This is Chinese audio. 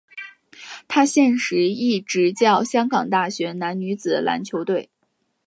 他现时亦执教香港大学男女子篮球队。